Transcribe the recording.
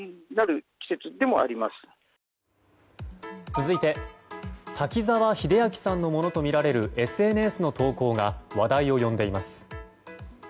続いて滝沢秀明さんのものとみられるＳＮＳの投稿が話題を呼んでいます。